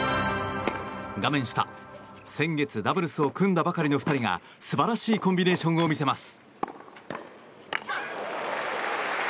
画面下、先月ダブルスを組んだばかりの２人が素晴らしいコンビネーションを見せます。